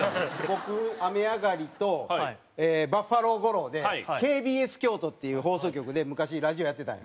僕雨上がりとバッファロー吾郎でＫＢＳ京都っていう放送局で昔ラジオやってたんよ。